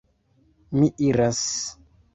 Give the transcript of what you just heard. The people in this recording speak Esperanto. Mi iras!